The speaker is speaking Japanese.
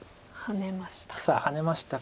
ハネました。